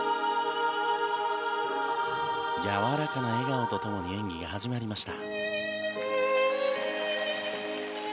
やわらかな笑顔とともに演技が始まりました。